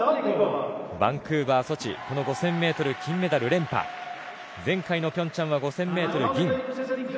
バンクーバー、ソチ、５０００ｍ金メダル連覇前回のピョンチャンは５０００ｍ銀。